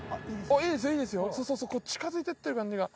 そうそう近づいていってる感じが。